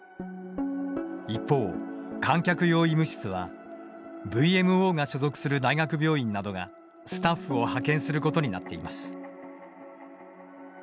一方、観客用医務室はＶＭＯが所属する大学病院などがスタッフを派遣することになっています。